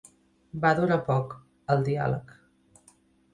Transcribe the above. Va durar poc, el diàleg.